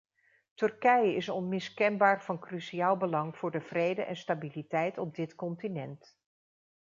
Turkije is onmiskenbaar van cruciaal belang voor de vrede en stabiliteit op dit continent.